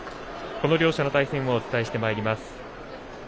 この両者の対戦をお伝えしてまいります。